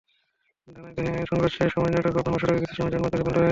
ধানাইদহে সংঘর্ষের সময় নাটোর-পাবনা মহাসড়কে কিছু সময় যানবাহন চলাচল বন্ধ হয়ে যায়।